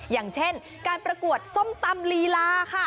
อย่างเช่นการประกวดส้มตำลีลาค่ะ